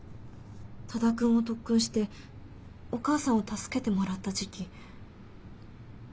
多田くんを特訓してお母さんを助けてもらった時期。